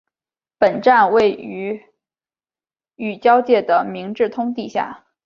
本站位于与交界的明治通地下。